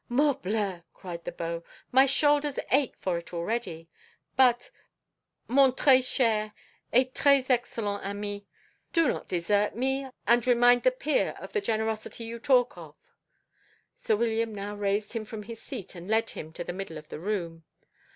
"Morbleu," cried the beau, "my shoulders ake for it already. But, mon très cher & très excellent ami, do not desert me, and remind the peer of the generosity you talked of." Sir William now raised him from his seat, and led him to the middle of the room.